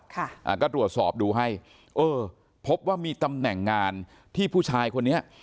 อ่าก็ตรวจสอบดูให้เออพบว่ามีตำแหน่งงานที่ผู้ชายคนนี้